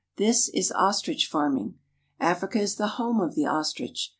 This is ostrich farming. Africa is the home of the ostrich.